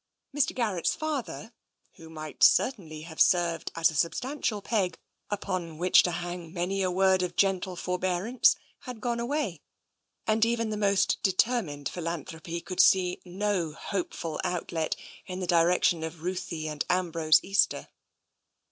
Mr. Garrett's father, who might certainly have served as a substantial peg upon which to hang many a word of gentle forbearance, had gone away, and even the most determined philanthropy could see no hope ful outlet in the direction of Ruthie and Ambrose Easter.